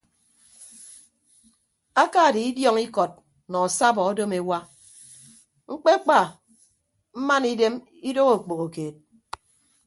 Aka die idiọñ ikọt nọ asabọ odom ewa ñkpekpa mmana idem idooho okpoho keed.